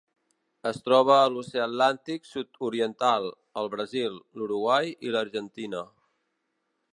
Es troba a l'Oceà Atlàntic sud-oriental: el Brasil, l'Uruguai i l'Argentina.